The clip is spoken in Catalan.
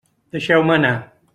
Deixeu-me anar!